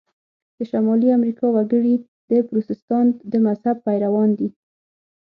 د شمالي امریکا وګړي د پروتستانت د مذهب پیروان دي.